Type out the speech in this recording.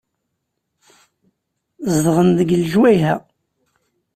Zedɣen deg lejwayeh-a.